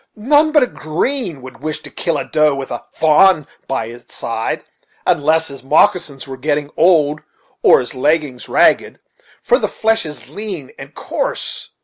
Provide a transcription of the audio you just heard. None but a green one would wish to kill a doe with a fa'n by its side, unless his moccasins were getting old, or his leggins ragged, for the flesh is lean and coarse.